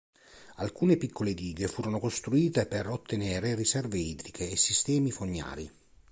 Alcune piccole dighe furono costruite per ottenere riserve idriche e sistemi fognari.